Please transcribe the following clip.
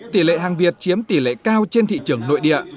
tỷ lệ hàng việt chiếm tỷ lệ cao trên thị trường nội địa